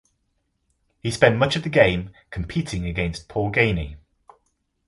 He spent much of the game competing against Paul Geaney.